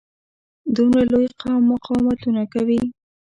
دومره لوی قوم مقاومتونه کوي.